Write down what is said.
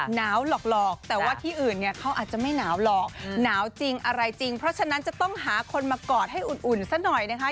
หนาวหลอกแต่ว่าที่อื่นเนี่ยเขาอาจจะไม่หนาวหรอกหนาวจริงอะไรจริงเพราะฉะนั้นจะต้องหาคนมากอดให้อุ่นซะหน่อยนะคะ